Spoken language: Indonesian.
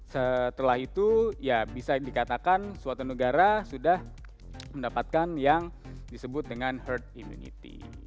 setelah itu ya bisa dikatakan suatu negara sudah mendapatkan yang disebut dengan herd immunity